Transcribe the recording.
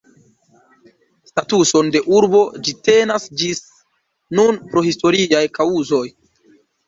Statuson de urbo ĝi tenas ĝis nun pro historiaj kaŭzoj.